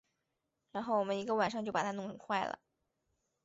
然后我们一个晚上就把它弄坏了